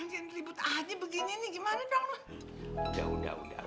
makin ribut aja begini nih gimana dong